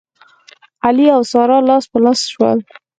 علي او ساره لاس په لاس شول.